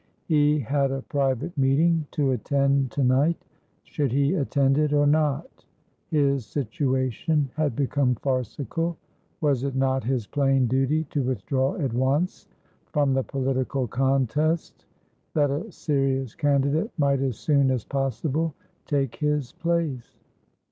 He had a private meeting to attend to night. Should he attend it or not? His situation had become farcical. Was it not his plain duty to withdraw at once from the political contest, that a serious candidate might as soon as possible take his place?